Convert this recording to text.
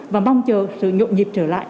và mong chờ sự nhộn nhịp trở lại